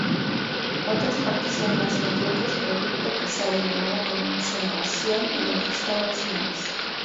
Otras partes son más mediocres, producto quizá de la mala conservación y las restauraciones.